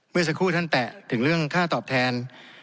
เมื่อสักครู่ท่านแตะถึงเรื่องค่าตอบแทน